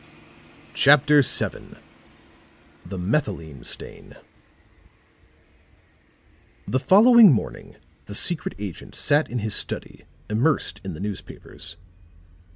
CHAPTER VII THE METHYLENE STAIN The following morning the secret agent sat in his study immersed in the newspapers.